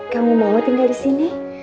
kamu mau tinggal di sini